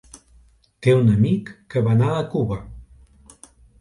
Té un amic que va anar a Cuba.